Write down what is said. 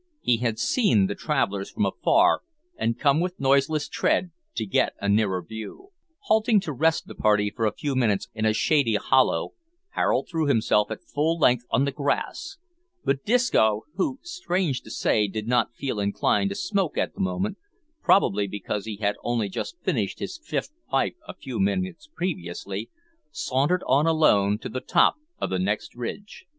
He had seen the travellers from afar, and come with noiseless tread to get a nearer view. Halting to rest the party for a few minutes in a shady hollow, Harold threw himself at full length on the grass, but Disco, who, strange to say, did not feel inclined to smoke at the moment probably because he had only just finished his fifth pipe a few minutes previously sauntered on alone to the top of the next ridge.